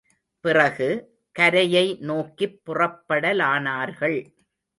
பிறகு, கரையை நோக்கிப் புறப்படலானார்கள்.